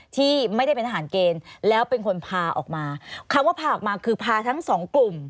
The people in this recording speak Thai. ที่ไม่ได้เป็นทหารเกณฑ์แล้วเป็นคนพาออกมาคำว่าพาออกมาคือพาทั้งสองกลุ่ม